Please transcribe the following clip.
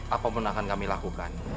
apa pun akan kami lakukan